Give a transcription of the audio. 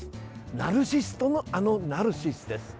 ナルシストの、あのナルシスです。